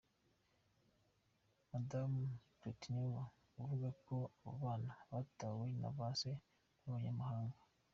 Madamu Pletnyova avuga ko abo bana "batawe" na ba se b'abanyamahanga.